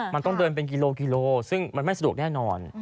มันต้องเดินเป็นกิโลกิโลซึ่งมันไม่สะดวกแน่นอน